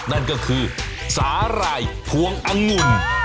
นั่นก็คือสาหร่ายพวงอังุ่น